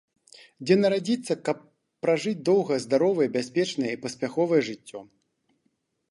Дзе нарадзіцца, каб пражыць доўгае, здаровае, бяспечнае і паспяховае жыццё.